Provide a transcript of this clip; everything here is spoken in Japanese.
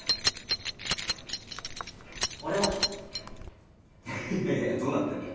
俺もいやいやどうなってんだよ